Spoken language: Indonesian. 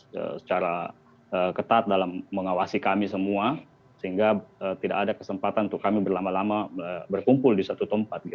secara ketat dalam mengawasi kami semua sehingga tidak ada kesempatan untuk kami berlama lama berkumpul di satu tempat